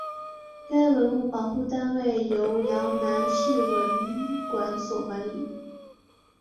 该文物保护单位由洮南市文管所管理。